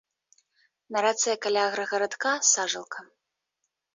На рацэ каля аграгарадка сажалка.